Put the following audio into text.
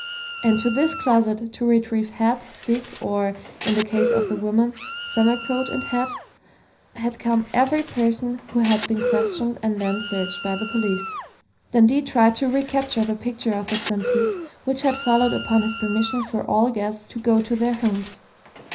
_And to this closet, to retrieve hat, stick or in the case of the women, summer coat and hat had come every person who had been questioned and then searched by the police._ Dundee tried to recapture the picture of the stampede which had followed upon his permission for all guests to go to their homes.